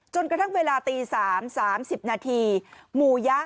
กระทั่งเวลาตี๓๓๐นาทีหมู่ยะ